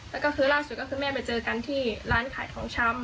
แล้วก็คือล่าสุดก็คือแม่ไปเจอกันที่ร้านขายของชำ